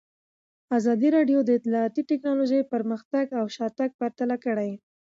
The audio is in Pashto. ازادي راډیو د اطلاعاتی تکنالوژي پرمختګ او شاتګ پرتله کړی.